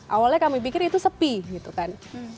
awalnya kami pikir itu sepi gitu kan